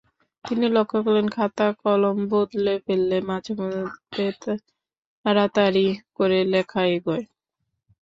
তিনি লক্ষ করেছেন, খাতা-কলম বদলে ফেললে মাঝে-মাঝে তারতর করে লেখা এগোয়।